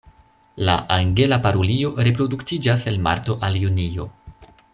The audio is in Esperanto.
La Angela parulio reproduktiĝas el marto al junio.